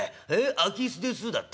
『空き巣です』だって。